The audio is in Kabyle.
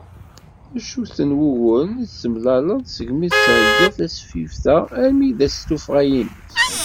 D acu-ten wuguren i d-temlaleḍ segmi tettheggiḍ tasfift-a armi d ass n tuffɣa-ines?